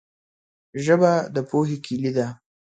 ژبه د پوهې کلي ده